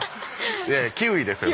いやいやキウイですよね。